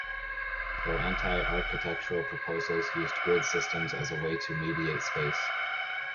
Their anti-architectural proposals used grid systems as a way to mediate space.